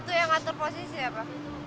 itu yang ngatur posisi apa